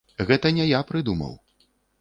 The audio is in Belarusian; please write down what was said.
Гэта не я прыдумаў.